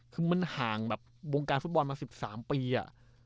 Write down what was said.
คือมันห่างแบบวงการฟุตบอลมา๑๓ปีอะ